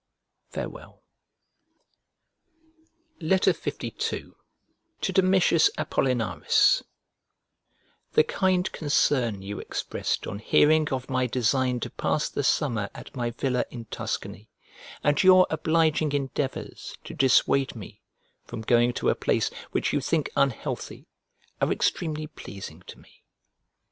Farewell. LII To DOMITIUS APOLLINARIS THE kind concern you expressed on hearing of my design to pass the summer at my villa in Tuscany, and your obliging endeavours to dissuade me from going to a place which you think unhealthy, are extremely pleasing to me.